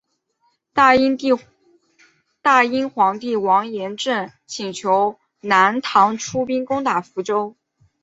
大殷皇帝王延政请求南唐出兵攻打福州。